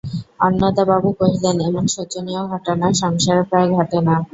অন্নদাবাবু কহিলেন, এমন শোচনীয় ঘটনা সংসারে প্রায় ঘটে না।